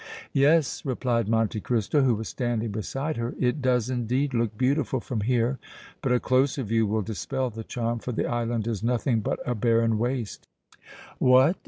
"Yes," replied Monte Cristo, who was standing beside her, "it does, indeed, look beautiful from here, but a closer view will dispel the charm for the island is nothing but a barren waste." "What!